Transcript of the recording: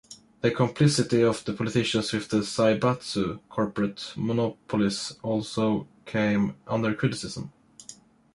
The complicity of the politicians with the "zaibatsu" corporate monopolies also came under criticism.